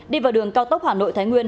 đi vào đường cao tốc hà nội thái nguyên